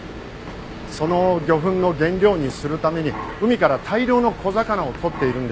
その魚粉の原料にするために海から大量の小魚を取っているんです。